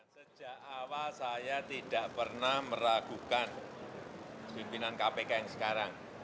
sejak awal saya tidak pernah meragukan pimpinan kpk yang sekarang